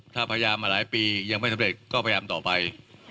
ถ้าพยายามมาหลายปียังไม่สำเร็จก็พยายามต่อไป